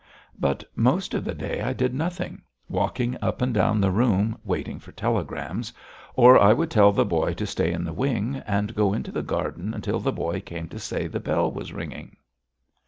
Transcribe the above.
But most of the day I did nothing, walking up and down the room waiting for telegrams, or I would tell the boy to stay in the wing, and go into the garden until the boy came to say the bell was ringing.